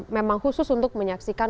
memang khusus untuk menyaksikan